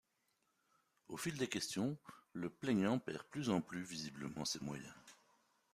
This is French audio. Au fil des questions, le plaignant perd plus en plus visiblement ses moyens.